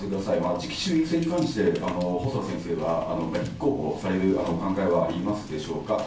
次期衆院選に対して、細田先生は立候補されるお考えはありますでしょうか。